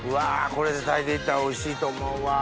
これで炊いていったらおいしいと思うわ。